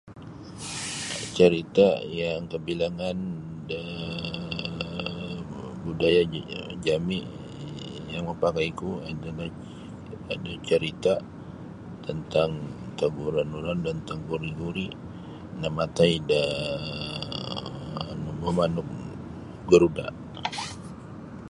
Carita yang kabilangan da budaya ja-jami yang mapakai ku adalah ada carita tentang [unintelligible] namatai da mamanuk garuda.